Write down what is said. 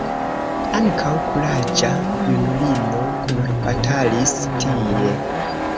Ankaŭ kuraĝa junulino kunbatalis tie.